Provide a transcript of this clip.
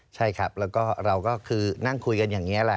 ใช่ครับแล้วก็เราก็คือนั่งคุยกันอย่างนี้แหละ